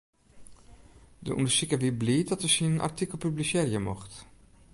De ûndersiker wie bliid dat er syn artikel publisearje mocht.